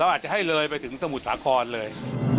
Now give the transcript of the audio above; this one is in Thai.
อาจจะให้เลยไปถึงสมุทรสาครเลย